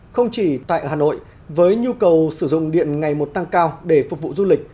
không chỉ tại hà nội với nhu cầu sử dụng điện ngày một tăng cao để phục vụ du lịch